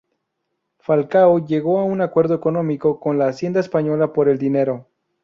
Falcao llegó a un acuerdo económico con la Hacienda española por el dinero.